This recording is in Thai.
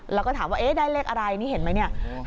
แล้วก็ถามว่าได้เลขอะไรเห็นไหม